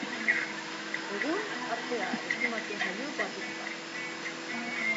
Egun, artea estimatzen zaio batik bat.